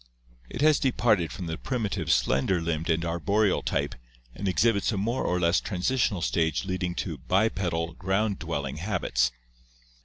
It has departed from the primitive slender limbed and arboreal type and exhibits a more or less transitional stage leading to bipedal ground dwelling habits.